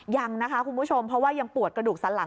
ยังนะคะคุณผู้ชมเพราะว่ายังปวดกระดูกสันหลัง